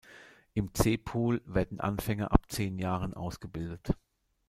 Im "C-Pool" werden Anfänger ab zehn Jahren ausgebildet.